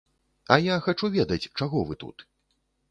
А я хачу ведаць, чаго вы тут.